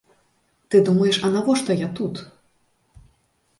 Ты думаеш, а навошта я тут?